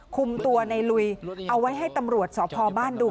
คุมตัวในลุยเอาไว้ให้ตำรวจสพบ้านดู